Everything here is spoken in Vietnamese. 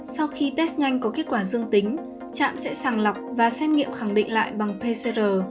sau khi test nhanh có kết quả dương tính trạm sẽ sàng lọc và xét nghiệm khẳng định lại bằng pcr